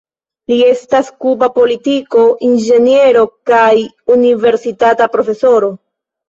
Li estas kuba politiko, inĝeniero kaj universitata profesoro.